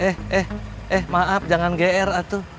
eh eh eh maaf jangan gr atu